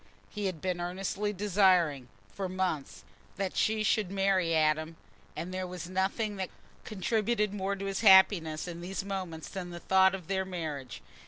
He had been earnestly desiring, for months, that she should marry Adam, and there was nothing that contributed more to his happiness in these moments than the thought of their marriage.